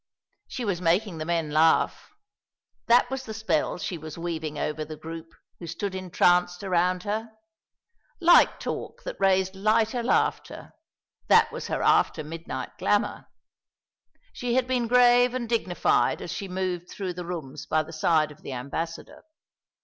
She was making the men laugh. That was the spell she was weaving over the group who stood entranced around her. Light talk that raised lighter laughter: that was her after midnight glamour. She had been grave and dignified as she moved through the rooms by the side of the Ambassador.